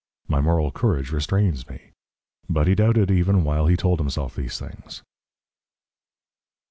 My moral courage restrains me." But he doubted even while he told himself these things.